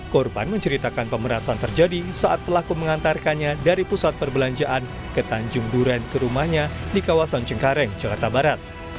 korban menceritakan pemerasan terjadi saat pelaku mengantarkannya dari pusat perbelanjaan ke tanjung duren ke rumahnya di kawasan cengkareng jakarta barat